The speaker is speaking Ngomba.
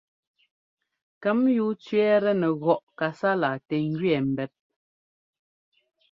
Kɛmyúu tsẅɛ́ɛtɛ nɛ gɔꞌ kasala tɛ ŋgẅɛɛ mbɛ́p.